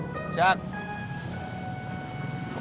teman teman udah tiup better gue